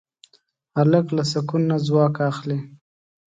هلک له سکون نه ځواک اخلي.